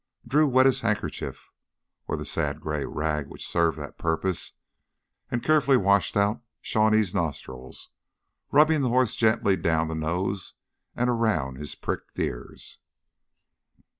Drew wet his handkerchief, or the sad gray rag which served that purpose, and carefully washed out Shawnee's nostrils, rubbing the horse gently down the nose and around his pricked ears.